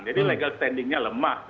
jadi legal standingnya lemah